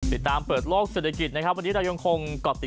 ติดตามเปิดโลกเศรษฐกิจวันนี้ยังคงกรอบติด